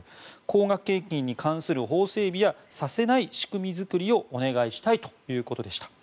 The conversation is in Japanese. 高額献金に関する法整備やさせない仕組み作りをお願いしたいということでした。